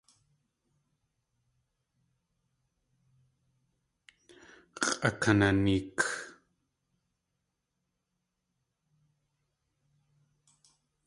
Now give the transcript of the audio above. X̲ʼakananeek!